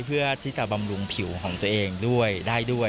เพื่อที่จะบำรุงผิวของตัวเองด้วยได้ด้วย